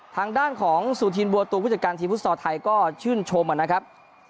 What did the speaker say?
ทางด้านของศูนย์ทีมบัวตัววิจักรการทีมฟุตสอร์ทไทยก็ชื่นชมนะครับ